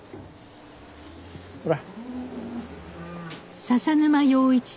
ほら。